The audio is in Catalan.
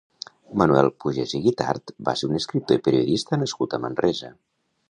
Manuel Pugès i Guitart va ser un escriptor i periodista nascut a Manresa.